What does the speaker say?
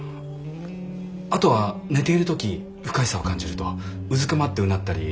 あとは寝ている時不快さを感じるとうずくまってうなったり耳を塞ぐんです。